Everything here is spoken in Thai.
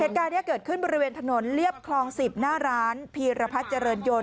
เหตุการณ์นี้เกิดขึ้นบริเวณถนนเรียบคลอง๑๐หน้าร้านพีรพัฒน์เจริญยน